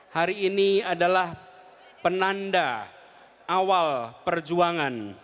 hari ini adalah penanda awal perjuangan